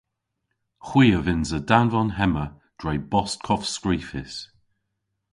Hwi a vynnsa danvon hemma dre bost kovskrifys.